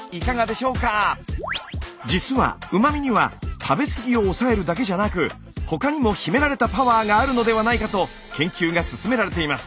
実はうま味には食べ過ぎを抑えるだけじゃなく他にも秘められたパワーがあるのではないかと研究が進められています。